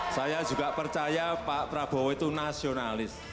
saya juga percaya pak prabowo itu nasionalis